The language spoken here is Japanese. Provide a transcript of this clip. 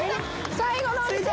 最後のお店や！